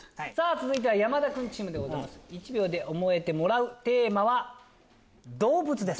続いては山田君チーム１秒で覚えてもらうテーマは動物です。